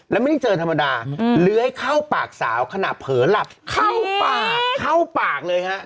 แล้วไม่ได้เจอธรรมดาเลื้อยเข้าปากสาวขณะเผลอหลับเข้าปากเข้าปากเลยฮะ